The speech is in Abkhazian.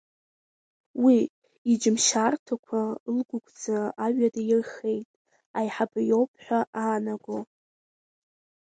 Уи иџьымшьаарҭақәа ылгәыгәӡа аҩада ирхеит, аиҳабы иоуп ҳәа аанаго.